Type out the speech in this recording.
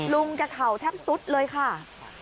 ลุงแกเข่าแทบสุดเลยค่ะ